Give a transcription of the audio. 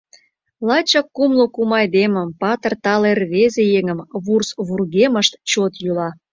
Лачак кумло кум айдемым, Патыр тале рвезе еҥым, Вурс вургемышт чот йӱла